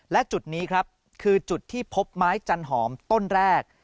และจุดนี้ครับคือจุดที่พบไม้จันหอมต้นแรก